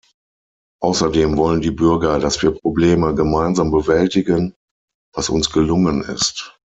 Außerdem wollen die Bürger, dass wir Probleme gemeinsam bewältigen, was uns gelungen ist.